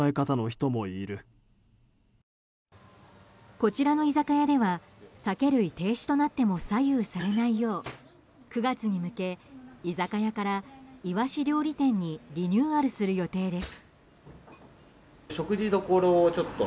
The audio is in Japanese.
こちらの居酒屋では酒類停止となっても左右されないよう９月に向け居酒屋からイワシ料理店にリニューアルする予定です。